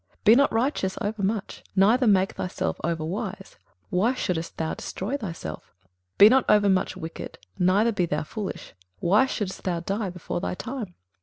21:007:016 Be not righteous over much; neither make thyself over wise: why shouldest thou destroy thyself? 21:007:017 Be not over much wicked, neither be thou foolish: why shouldest thou die before thy time?